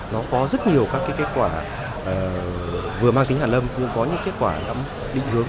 nó có rất nhiều các kết quả vừa mang tính hẳn lâm nhưng có những kết quả đắm định hướng